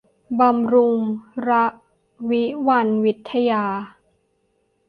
บำรุงระวิวรรณวิทยา